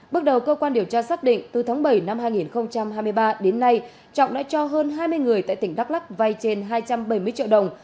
bước đầu cơ quan điều tra xác định từ tháng bảy năm hai nghìn hai mươi ba đến nay trọng đã cho hơn hai mươi người tại tỉnh đắk lắc vay trên hai trăm bảy mươi triệu đồng